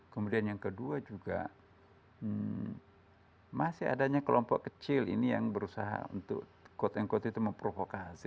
kemudian yang kedua juga masih adanya kelompok kecil ini yang berusaha untuk quote unquote itu memprovokasi